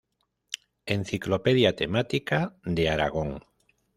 Enciclopedia temática de Aragón.